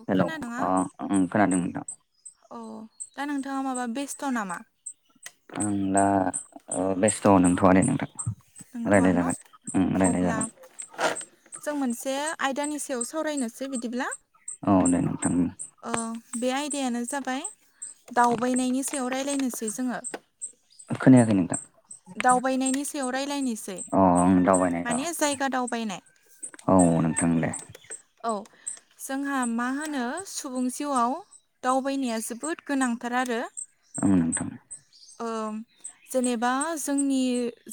अ hello खोनादोंना अ ओं खोनादों नोंथां। औ दा नोंथाङा माबा बेस्थ' नामा? आं दा बेस्थ' ओ नंथ'आ दे नोंथां। नंथ'आ रायलाय न'? जागोन ओं रायलाय अब्ला जागोन जों मोनसे आयदानि सायाव सावरायनोसै बिदिब्ला। औ दे नोंथां ओं। अह बे आयदायानो जाबाय दावबायनायनि सायाव रायलायनोसै जोङो। खोनायाखै नोंथां दावबायनायनि सायाव रायलायनिसै। अ आं दावबायनाय औ, औ नोंथां दे। औ जोंहा मा होनो सुबुं सि जिउआव दावबायनाया जोबोद गोनांथार आरो। आं नोंथां। ओ जेनेबा जोंनि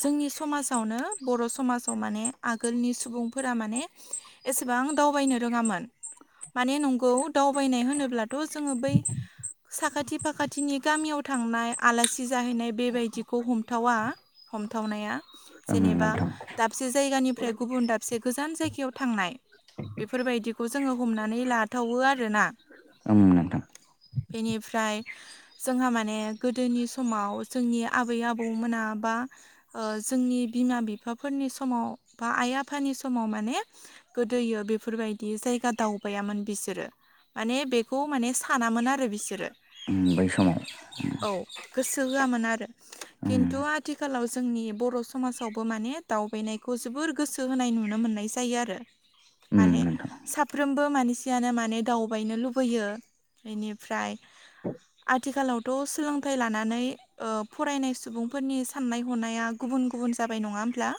जोंनि समाजावनो बर' समाजाव मा ने आगोलनि सुबुंफोरा माने एसेबां दावबायनो रोङामोन। माने नंगौ दावबायनाय होनोब्लाथ' जोङो बै साखाथि फाखाथिनि गामियाव थांनाय आलासि ज जाहैनाय बेबायदिखौ हमथावा हमथावनाया। ओं जेनेबा नोंथां दाबसे जायगानिफ्राय गुबुन दाबसे गोजान जायगायाव थांनाय। बेफोरबायदिखौ जोङो हमनानै लाथावो आरोना। ओं नोंथां बेनिफ्राय जोंहा माने गोदोनि समाव जोंनि आबै आबौ मोना बा ओ जोंनि बिमा बिफाफोर नि समाव बा आइ आफानि समाव माने गोदोयो बेफोरबायदि जायगा दावबायामोन। बिसोरो माने बेखौ माने सानामोन आर उम बै समाव उम औ गोसो होआमोन आरो खिन्थु आथिखालाव जोंनि बर' समाजावबो माने दावबायनायखौ जोबोर गोसो होनाय नुनो मोननाय जायो आरो। ओम माने नोंथां साफ्रोमबो माने सेयानो माने दावबायनो लुबैयो। बेनिफ्राय आथिखालावथ' सि सोलोंथाइ लानानै ओ फरायनाय सुबुंफोरनि साननाय हनाया गुबुन गुबुन जाबाय नङा होमब्ला?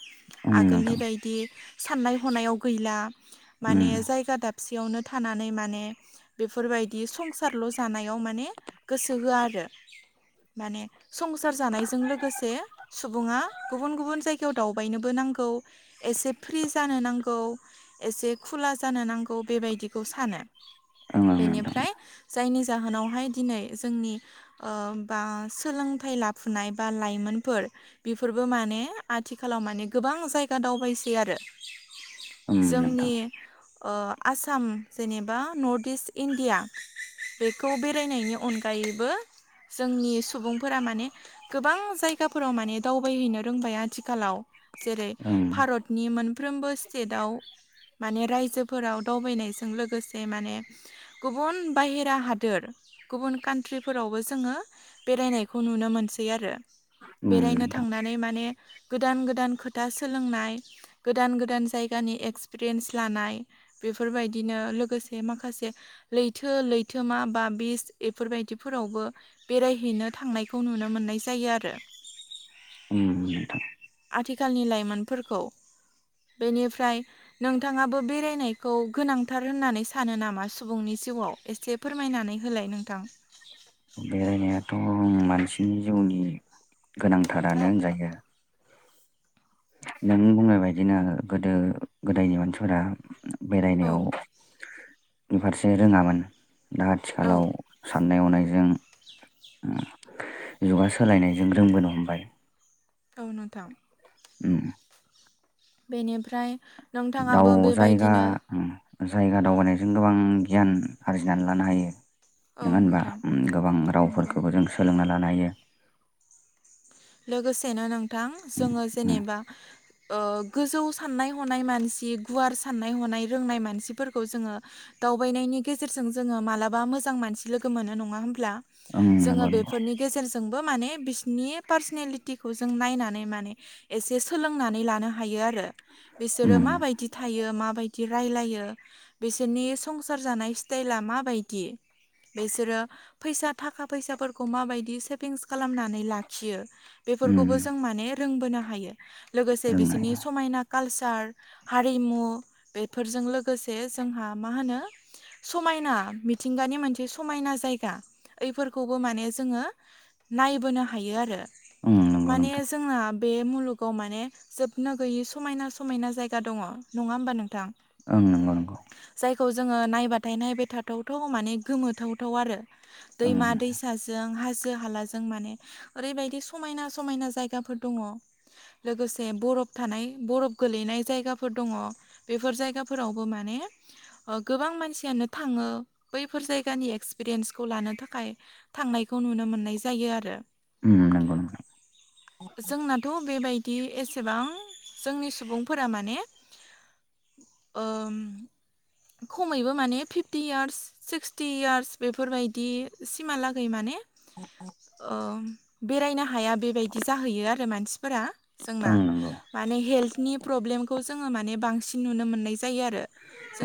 ओं आगोलनि नोंथां बायदि साननाय हनायाव गैला माने ओम जायगा दाब सेयावनो थानानै माने बेफोरबायदि संसारल' जानायाव माने गोसो होआ आरो। [inaudible] माने संसार जानायजों लोगोसे सुबुङा गुबुन गुबुन जायगायाव दावबायनोबो नांगौ। गौ एसे फ्रि जानो नांगौ। एसे खुला जानो नांगौ। बेबायदिखौ सानो। ओं ओं नोंथां बेनिफ्राय जायनि जाहोनावहाय दिनै जोंनि ओ बा सोलोंथाइ लाफुनाय बा लाइमोनफोर बेफोरबो माने आथिखालाव माने गोबां जायगा दावबायसै आरो। ओम नोंथां जोंनि ओ आसाम जेनेबा नर्थ इस्ट इण्डिया। बेखौ बेरायनायनि अनगायैबो। जोंनि सुबुंफोरा माने गोबां जायगाफोराव माने दावबायहैनो रोंबाय आथिखालाव। जेरै ओं ओम भारतनि मोनफ्रोमबो सिटेटआव माने रायजोफोराव दावबायनायजों लोगोसे माने गुबुन बाहेरा हादोर गुबुन कान्ट्रिफोरावबो जो जोङो बेरायनायखौ नुनो मोनसै आरो। बेरायनो नोंथां थांनानै माने गोदान गोदान खोथा सोलोंनाय गोदान गोदान जायगानि एक्सपिरियेन्स लानाय। बेफोरबायदिनो लोगोसे माखासे लैथो लैथोमा बा बिस एफोरबायदि फोरावबो बेरायहैनो थांनायखौ नुनो मोननाय जायो आरो। उम नोंथां आथिखालनि लाइमोनफोरखौ बेनिफ्राय नोंथाङाबो बेरायनायखौ गोनांथार होननानै सानो नामा सुबुंनि जिउआव एसे फोरमायनानै होलाय नोंथां। बेरायनायाथ' मानसिनि जिउनि गोनांथारानो होनजायो। नों बुंनाय बायदिनो गोदो गोदायनि मानसिफोरा औ बेरायनायाव बेफारसे रोङामोन। दा औ आथिखालाव सा अननाय हनायजों उम जुगा सोलायनायजों रोंबोनो हमबाय। औ नोंथां। उम बेनिफ्राय। नोंथाङाबो दाउ जायगा। बेबायदिनो जायगा दावबायनायजों गोबां गियान आरजिनानै लानो हायो। औ नङा होनबा नोंथां गोबां नंगौ रावफोरखौबो जों सोलोंना लानो हायो। लोगोसेनो नोंथां जोङो जेनेबा। ओ गोजौ साननाय हनाय मानसि गुवार साननाय हनाय रोंनाय मानसिफोरखौ जोङो दावबायनायनि गेजेरजों जोङो मालाबा मोजां मानसि लोगो मोनो नङा होमब्ला ओं जोङो नंगौ नंगौ बेफोरनि गेजेरजोंबो माने बिसिनि पार्सनेलिटिखौ जों नायनानै माने एसे सोलोंनानै लानो हायो आरो। बिसोरो माबायदि थायो माय रायलायो बिसोरनि संसार जानाय स्टाइला माबायदि बेसोरो फैसा थाखा फैसाफोरखौ माबायदि सेभिंस खालामनानै लाख खियो बेफोरखौबो जों माने रोंबोनो हायो लोगोसे रोंनाय बिसोरनि समायना कालचार हारिमु बेफोरजों लोगोसे जोंहा मा होनो समायना मिथिंगानि मोनसे समायना जायगा फोरखौबो माने जोङो नायबोनो हायो आरो ओं नंगौ माने नोंथां जोंना। बे मुलुगाव माने जोबनो गैयि समायना समायना जायगा दङ नङा होमबा नोंथां। ओं नं नगौ। खौ जोङो नायबाथाय नायबाय थाथावथाव माने गोमोथावथाव आरो। ओं दैमा दैसाजों हाजो हालाजों माने ओरैबायदि समायना समायना जायगाफोर दङ लोगोसे बरफ थानाय बरफ गोलैनाय जायगाफोर दङ बेफोर जायगाफोरावबो माने गोबां मानसियानो थाङो बैफोर जायगानि एक्सपिरियेन्सखौ लानो थाखाय थांनाय नुनो मोननाय ज आरो नंगौ नोंथां जोंनाथ' बेबाय दि एसेबां जोंनि सुबुंफोरा माने ओम। खमैबो माने फिफ्टि यार्स सिक्सटि यार्स बेफोरबायदि सिमहालागै माने माने बेरायनो हाया बेबायदि जाहैयो आरो मानसिफोरा जोंना ओं नंगौ माने हेल्थनि प्रब्लेमखौ जोङो माने बांसिन नुनो मोननाय जायो आरो।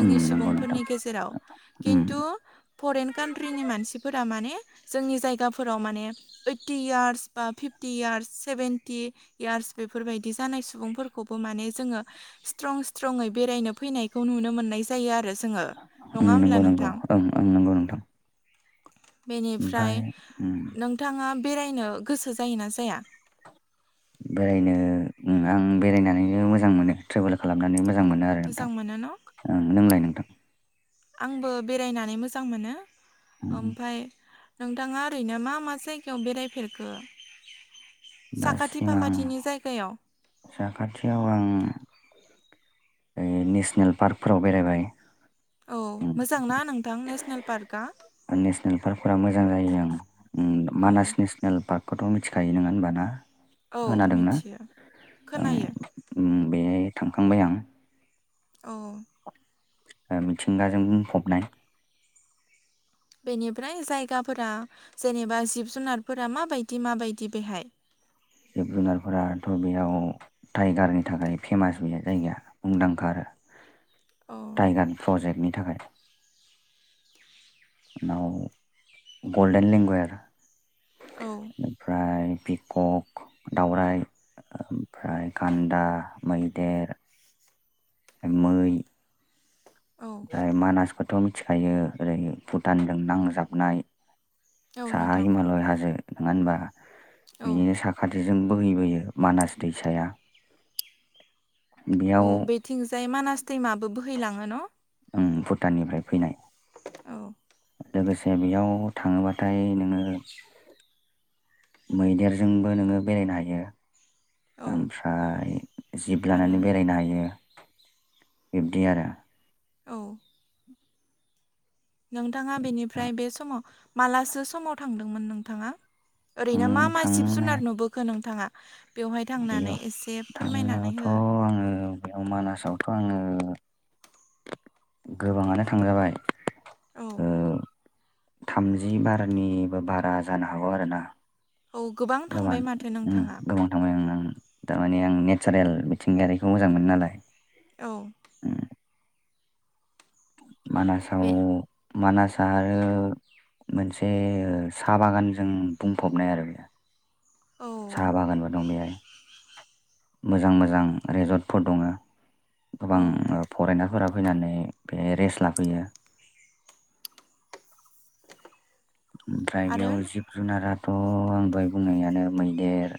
ओं नंगौ सुबुंफोरनि नोंथां गेजेराव। खिन्थु फरेन कान्ट्रिनि मानसिफोरा माने जोंनि जायगाफोराव माने फिफ्टि यार्स बा फिफ्टि यार्स सेभेन्टि यार्स बेफोरबायदि जानाय सुबुंफोरखौबो माने म जोङो सै बेरायनो फैनायखौ नुनो मोननाय जायो आरो जोङो नङा ओं होमब्ला नंगौ नंगौ नोंथां ओं ओं नंगौ नोंथां। ओमफाय बेनिफ्राय उम नोंथाङा बेरायनो गोसो जायोना जाया बेरायनो आं बेरायनानैनो मोजां मोनो ट्रेभेल खालामनानै मोजां। मोजां मोनो आरो मोजां मोनो न' नोंथां ओं लोंलाय नोंथां। आंबो बेरायनानै मोजां मोनो उम ओमफ्रायाय नोंथाङा ओरैनो मा मा जायगायाव बेरायफेरखो साखाथि दासिम आं फाखाथिनि जायगायाव। साखाथियाव आं। नेसनेल पार्कफोराव बेरायबाय। औ मोजांना नोंथां नेसनेल पार्कआ नेसनेल पार्कफोरा मोजां जायो आं। उम औ मानास नेसनेल पार्कखौथ' मिथिखायो ङा होनब ना। औ खोनादोंना मिथियो खोनायो। बे थांखांबाय आं। औ। मिथिंगाजों बुंफबनाय। बेनिफ्राय जायगाफोरा जेनेबा जिब जुनारफोरा माबायदि माबायदि बेहाय। जिब जुनारफोराथ' बेयाव टाइगारनि थाखाय फेमास बे जायगाया मुंदांखा आरो। [inaudible] टाइगार प्रजेक्टनि थाखाय नाव गल्डेन लेंगुवेर औ ओमफ्राय पिक'क दाावराइ ओमफ्राय गान्दा मैदेर मै औ ओमफ्राय मानासखौथ' मिथिखायो ओरै भुटानजों नांजाबनाय औ साहा नोंथां हिमालय हाजो नंङा होनबा औ बिनिनो साखाथि जों बोहैबोयो मानास दैसाया अ बेयाव बेथिंजाय मानास दैमाबो बोहैलाङो न' उ भुटाननिफ्राय फैनाय औ लोगोसे बेयाव थाङोबाथाय नोङो मैदेरजोंबो नोङो बेरायनो हायो औ ओमफ्राय जिब आरो लानानै बेरायनो हायो बिब्दि आरो औ नोंथाङा बेनिफ्राय बे समाव मालासो समाव थांदोंमोन नोंथाङा ओरैनो मा थां मा जि सिब थांनाय जुनार नुबोखो नोंथाङा बेवहाय थांनानै बेयाव एसे फोरमायनानै थांनायावथ' हो आङो बेयाव मानासावथ' आङो गोबाङानो थांजाबाय औ ओ थामजि बारनिबो बारा जानो हागौ आरोना औ थांबाय गोबां माथो नोंथाङा गोबां थांबाय आं थारमानि आं नेचारेल मिथिंगायारिखौ मोजां मोनो नालाय औ उम मानासाव बे मानासआ आरो मोनसे साहा बागानजों बुंफबनाय आरो बेयो औ साहा बागानबो दं बेहाय मोजां मोजां रेजर्टफोर दङ औ गोबां फरायनाफोराबो फैनानै बे रेस्ट लाफैयो ओमफ्राय आरो बेयाव जिब जुनाराथ' आं दहाय बुंनायानो मैदेर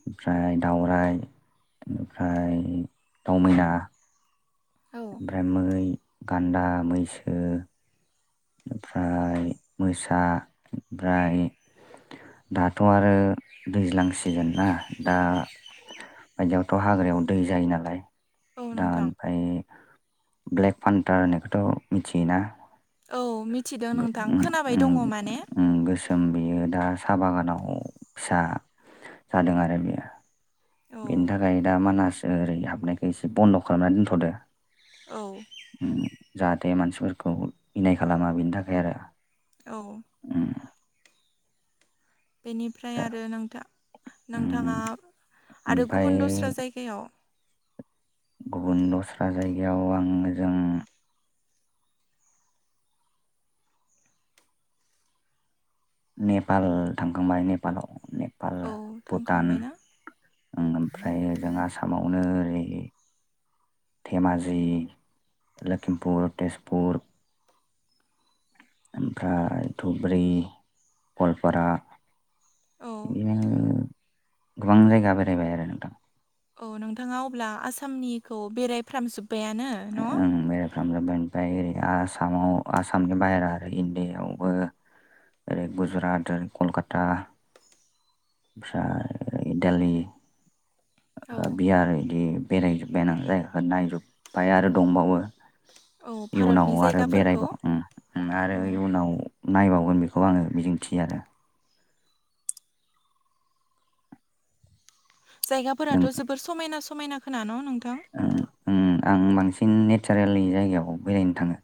ओमफ्राय दाउरायाइ ओमफ्राय दउ मैना औ ओमफ्राय मै गान्दा मैसो ओमफ्राय मोसा ओमफ्राय दाथ' आरो दैज्लां सिजोन ना दा बायदियावथ' हाग्रायाव दै जायो नालाय औ दा नोंथां ओमफ्राय ब्लेक पान्टार होननायखौथ' मिथियोना औ मिथिदों नोंथां खोनाबाय दङ माने जों बेयो दा साहा बागानाव फिसा जादों आरो बेयो औ बेनि थाखाय दा मानास ओरै हाबनायखौ एसे बन्द' खालामनानै दोनथ'दो औ जाहाथे मानसिफोरखौ इनाय खालामा बेनि थाखाय आरो औ उम बेनिफ्राय जा आरो नोंथा नोंथाङा उम आरो ओमफाय गुबुन दस्रा जायगायाव गुबुन दस्रा जायगायाव आङो जों नेपाल थांखांबाय नेपालाव ने नेपाल औ भुटान थांखांबायना ओमफ्राय जों आसामावनो ओरै धेमाजि लखिमपुर तेजपुर ओमफ्राय धब्रि गवालपारा औ इदिनो गोबां जायगा बेरायबाय आरो नोंथां। औ नोंथाङा अब्ला आसामनिखौ बेरायफ्रामजोब्बायानो न'? खामजोब्बाय ओमफ्राय ओरै आसामाव आसामनि बाहेरा आरो इण्डियावबो ओरै गुजुरात ओरै कलकाता फ्राय देलि ओ औ बियार इदि बेरायजोब्बायना जायगाखौ नायजोब्बाय आरो दंबावो औ भारतनि इयुनाव आरो जायगाफोरखौ बेरायबाव ओम- ओम आरो औ इयुनाव नायबावगोन बेखौ आङो मिजिंथियो आरो नों जायगाफोराथ' जोबोर समायना- समायना खोना न' उम, नोंथां? उम, आं बांसिन नेतसारिलि जाइगायाव बेरायनो थांओ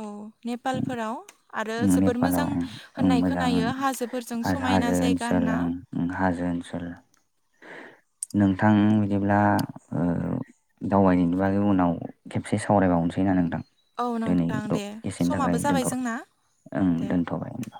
औ नेपालफोराव आरो ओम जोबोर नेपालाव मोजां ओम‌-ओम होननाय मोजां खोनायो हाजोफोरजों हाज- समायना हाजो जायगा ओनसोल होनना ओ-ओ हाजो ओनसोल [inaudible] नोंथां बिदिब्ला ओ दावबायनायनि बागै उनाव खेबसे सावरायबावनोसै ना नोंथां औ दिनै नोंथां द' दे एसेनि थाखाय समाबो जाबाय दोनथ'बाय जोंना। ओं दे दोनथ'बाय होनबा।